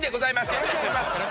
よろしくお願いします！